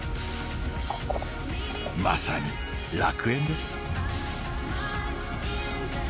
まさに楽園です。